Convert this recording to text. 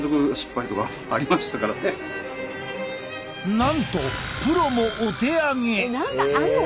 なんとプロもお手上げ！